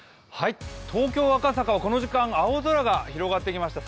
東京・赤坂はこの時間青空が広がってきました。